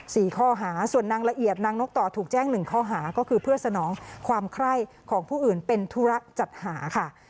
สี่ข้อหาส่วนนางละเอียดนางนกต่อถูกแจ้งหนึ่งข้อหาก็คือเพื่อสนองความไคร้ของผู้อื่นเป็นธุระจัดหาค่ะ